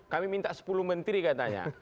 kami minta sepuluh menteri katanya